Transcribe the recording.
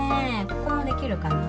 ここもできるかな？